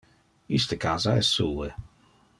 Iste casa es sue.